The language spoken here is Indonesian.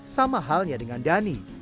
sama halnya dengan dhani